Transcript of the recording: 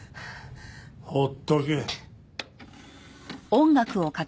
放っとけ。